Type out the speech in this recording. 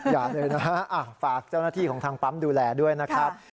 อย่าเลยนะฝากเจ้าหน้าที่ของทางปั๊มดูแลด้วยนะครับ